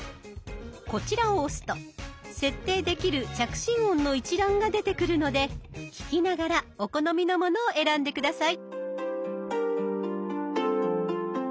こちらを押すと設定できる着信音の一覧が出てくるので聞きながらお好みのものを選んで下さい。